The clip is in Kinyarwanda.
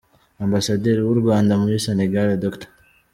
Ambasaderi w’u Rwanda muri Sénégal, Dr.